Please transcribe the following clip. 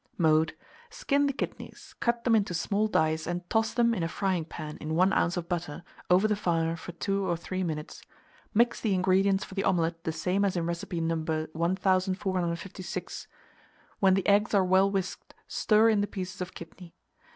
Mode. Skin the kidneys, cut them into small dice, and toss them in a frying pan, in 1 oz. of butter, over the fire for 2 or 3 minutes. Mix the ingredients for the omelet the same as in recipe No. 1456, and when the eggs are well whisked, stir in the pieces of kidney.